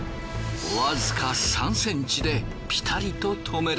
わずか３センチでピタリと止める。